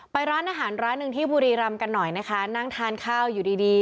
ร้านอาหารร้านหนึ่งที่บุรีรำกันหน่อยนะคะนั่งทานข้าวอยู่ดีดี